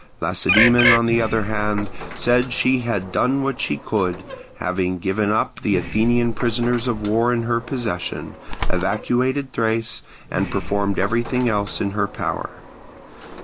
Lacedaemon, on the other hand, said she had done what she could, having given up the Athenian prisoners of war in her possession, evacuated Thrace, and performed everything else in her power.